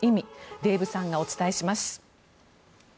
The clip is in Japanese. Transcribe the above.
デーブさんがお伝えします。